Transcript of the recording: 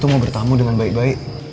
mau bertamu dengan baik baik